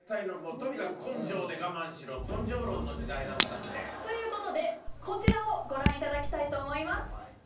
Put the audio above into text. とにかく根性で我慢しろ、根性論ということで、こちらをご覧いただきたいと思います。